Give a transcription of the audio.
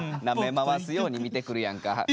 なめ回すように見てくるやんか。